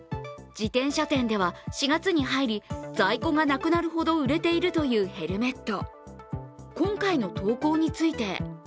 自転車店では４月に入り在庫がなくなるほど売れているというヘルメット。